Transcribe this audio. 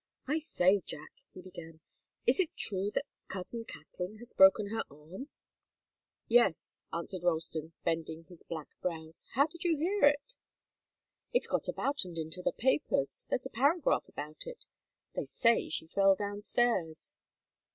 "I say, Jack," he began, "is it true that cousin Katharine has broken her arm?" "Yes," answered Ralston, bending his black brows. "How did you hear it?" "It's got about and into the papers. There's a paragraph about it. They say she fell downstairs."